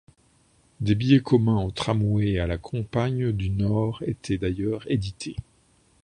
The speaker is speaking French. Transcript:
Des billets communs au tramway et à la Compagne du Nord étaient d'ailleurs édités.